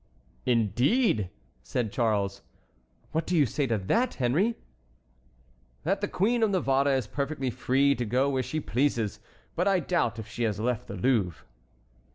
"Indeed!" said Charles. "What do you say to that, Henry?" "That the Queen of Navarre is perfectly free to go where she pleases, but I doubt if she has left the Louvre."